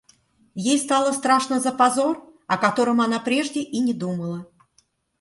Ей стало страшно за позор, о котором она прежде и не думала.